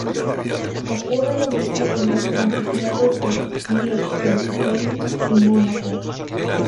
Ocurre lo mismo con los Principados de Liechtenstein y Mónaco.